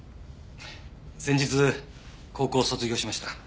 先日高校を卒業しました。